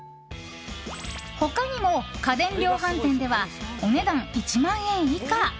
他にも家電量販店ではお値段１万円以下！